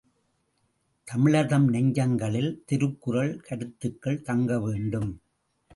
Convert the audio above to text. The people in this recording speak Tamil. தமிழர்தம் நெஞ்சங்களில் திருக்குறள் கருத்துக்கள் தங்கவேண்டும்.